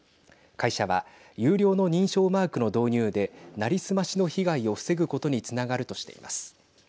会社は有料の認証マークの導入で成り済ましの被害を防ぐことにつながるとしています。